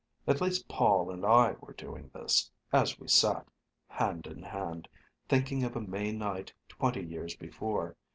At least Paul and I were doing this, as we sat, hand in hand, thinking of a May night twenty years before.